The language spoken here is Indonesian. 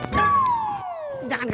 jangan kekencangan juga